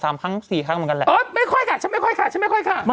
ไม่ค่อยค่ะฉันไม่ค่อยค่ะ